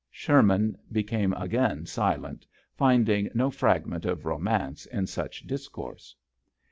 Sherman became again silent, finding no fragment of romance in such discourse.